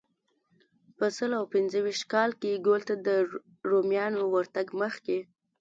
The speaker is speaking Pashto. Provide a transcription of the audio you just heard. په سل او پنځه ویشت کال کې ګول ته د رومیانو ورتګ مخکې.